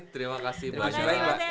terima kasih banyak